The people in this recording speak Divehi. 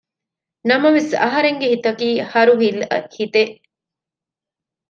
ނަމަވެސް އަހަރެންގެ ހިތަކީ ހަރުހިލަ ހިތެއް